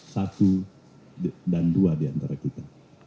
satu dan dua di antara kita